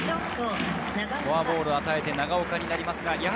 フォアボールを与えて長岡になります。